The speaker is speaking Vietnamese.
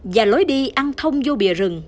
và lối đi ăn thông vô bìa rừng